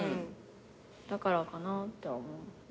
だからかなって思う。